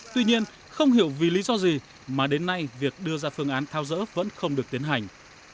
tuy nhiên không hiểu vì lý do gì mà đến nay việc đưa ra phương án thao dỡ vẫn không được tiến hành